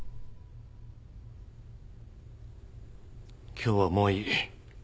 今日はもういい。